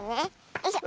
よいしょ。